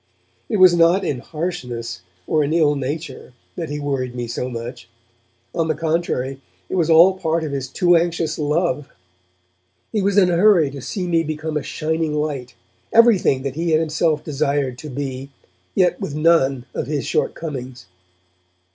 It was not in harshness or in ill nature that he worried me so much; on the contrary, it was all part of his too anxious love. He was in a hurry to see me become a shining light, everything that he had himself desired to be, yet with none of his shortcomings.